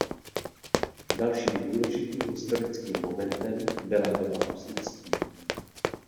Dalším důležitým historickým momentem byla doba husitství.